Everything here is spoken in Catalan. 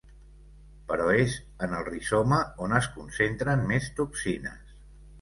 Però és en el rizoma on es concentren més toxines.